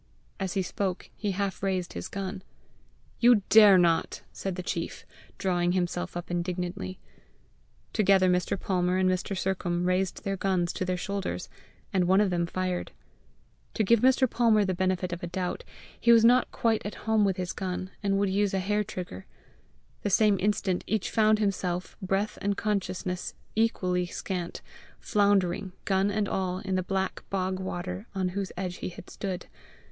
As he spoke, he half raised his gun. "You dare not!" said the chief, drawing himself up indignantly. Together Mr. Palmer and Mr. Sercombe raised their guns to their shoulders, and one of them fired. To give Mr. Palmer the benefit of a doubt, he was not quite at home with his gun, and would use a hair trigger. The same instant each found himself, breath and consciousness equally scant, floundering, gun and all, in the black bog water on whose edge he had stood.